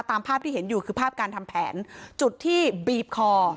ตามภาพที่เห็นอยู่คือภาพการทำแผนจุดที่บีบคอ